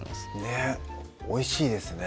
ねっおいしいですね